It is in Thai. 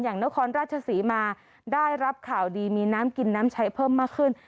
นครราชศรีมาได้รับข่าวดีมีน้ำกินน้ำใช้เพิ่มมากขึ้น